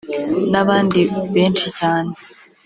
n’abandi benshi cyane